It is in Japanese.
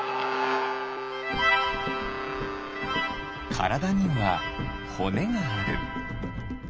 からだにはほねがある。